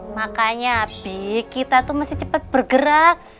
makanya bi kita tuh masih cepat bergerak